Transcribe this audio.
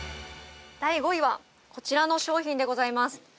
◆第５位はこちらの商品でございます。